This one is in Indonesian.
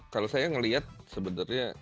kalau saya melihat sebenarnya